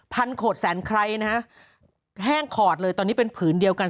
โขดแสนไคร้นะฮะแห้งขอดเลยตอนนี้เป็นผืนเดียวกัน